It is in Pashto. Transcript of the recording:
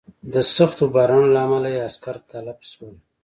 د سختو بارانونو له امله یې عسکر تلف شول.